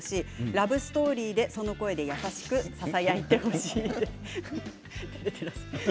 ラブストーリーでその声で優しくささやいてほしいです。